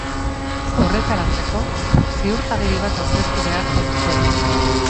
Horretaratzeko, ziurtagiri bat aurkeztu beharko dute.